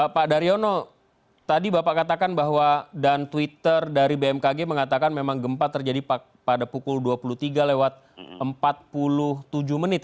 pak daryono tadi bapak katakan bahwa dan twitter dari bmkg mengatakan memang gempa terjadi pada pukul dua puluh tiga lewat empat puluh tujuh menit